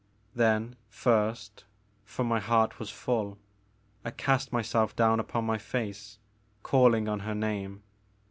Then first, for my heart was full, I cast myself down upon my face, calling on her name.